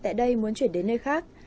tại đây muốn chuyển đến nơi khác